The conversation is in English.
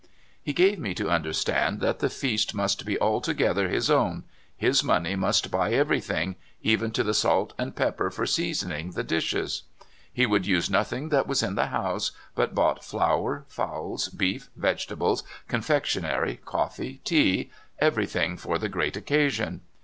He irave me to understand that the feast must be altogether his own — his money must buy every thing, even to the salt and pepper for seasoning the dishes. He would use nothing that was in the house, but bought flour, fowls, beef, vegetables, confectionery, coffee, tea, everything for the great occasion.